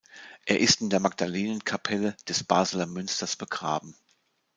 Er ist in der Magdalenenkapelle des Basler Münsters begraben.